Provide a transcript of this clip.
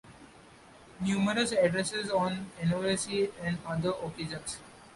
Numerous addresses on anniversary and other occasions.